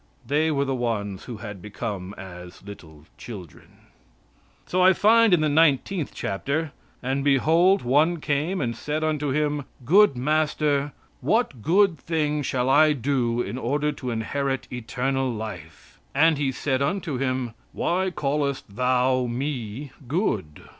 They were the ones who had become as little children. So I find in the nineteenth chapter: "And behold, one came and said unto Him: 'Good master, what good thing shall I do in order to inherit eternal life?' And He said unto him, 'why callest thou Me good?